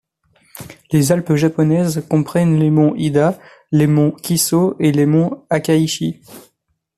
Les Alpes japonaises comprennent les monts Hida, les monts Kiso et les monts Akaishi.